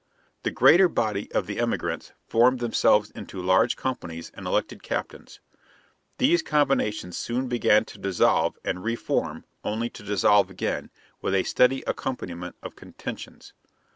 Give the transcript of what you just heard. The greater body of the emigrants formed themselves into large companies and elected captains. These combinations soon began to dissolve and re form, only to dissolve again, with a steady accompaniment of contentions.